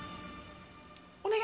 お願い。